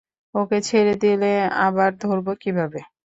ওকে ছেড়ে দিলে আবার ধরব কীভাবে?